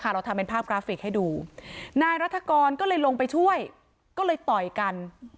เราทำเป็นภาพกราฟิกให้ดูนายรัฐกรก็เลยลงไปช่วยก็เลยต่อยกัน